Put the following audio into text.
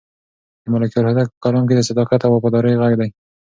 د ملکیار هوتک په کلام کې د صداقت او وفادارۍ غږ دی.